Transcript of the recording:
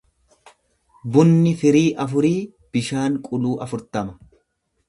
Bunni firii afurii bishaan quluu afurtama.